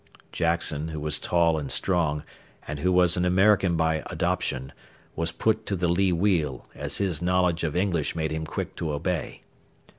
Jackson, who was tall and strong, and who was an American by adoption, was put to the lee wheel, as his knowledge of English made him quick to obey.